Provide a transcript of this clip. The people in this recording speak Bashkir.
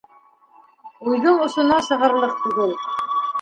Уйҙың осона сығырлыҡ түгел.